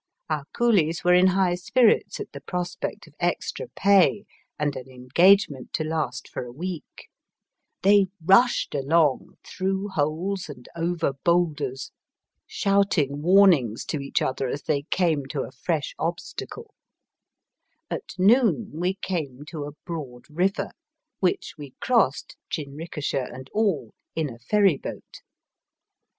Our cooUes were in high spirits at the pro spect of extra pay and an engagement to last for a week. They rushed along through holes and over boulders, shouting warnings to each Digitized by VjOOQIC ACROSS COUNTRY IN JINRIKISHAS. 243 other as they came to a fresh obstacle. At noon we came to a broad river, which we crossed, jinrikisha and all, in a ferry boat.